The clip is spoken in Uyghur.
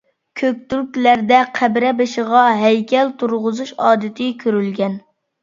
كۆكتۈركلەردە قەبرە بېشىغا ھەيكەل تۇرغۇزۇش ئادىتى كۆرۈلگەن.